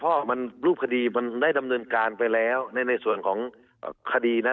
เพราะมันรูปคดีมันได้ดำเนินการไปแล้วในส่วนของคดีนะ